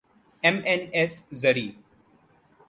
M N S زرعی